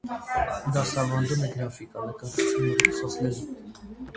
Դասավանդում է գրաֆիկա, նկարչություն և ռուսաց լեզու։